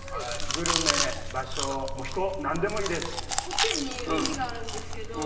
グルメ場所人何でもいいです。